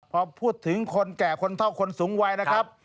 พอพูดถึงคนแก่คนเท่าคนสูงวัยนะครับ